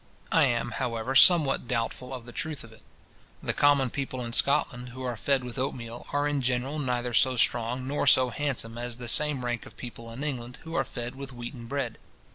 I am, however, somewhat doubtful of the truth of it. The common people in Scotland, who are fed with oatmeal, are in general neither so strong nor so handsome as the same rank of people in England, who are fed with wheaten bread.